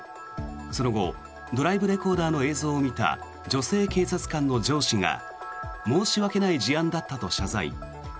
その後ドライブレコーダーの映像を見た女性警察官の上司が申し訳ない事案だったと謝罪。